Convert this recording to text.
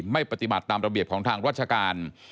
ไม่ปฏิบัติตามระเบียบของทางราชการ